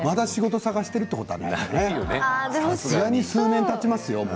さすがに数年たちますよ。